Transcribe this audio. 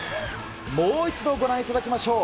もう一度ご覧いただきましょう。